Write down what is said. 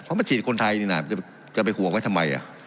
เพราะมาฉีดคนไทยนี่น่ะจะไปห่วงไว้ทำไม